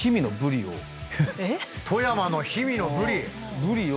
富山の氷見のブリ！